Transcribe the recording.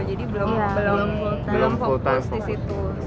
jadi belum fokus di situ